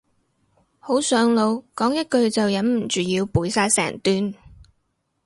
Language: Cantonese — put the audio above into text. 好上腦，講一句就忍唔住要背晒成段